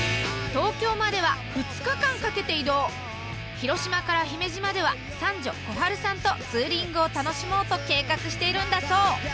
広島から姫路までは三女幸桜さんとツーリングを楽しもうと計画しているんだそう。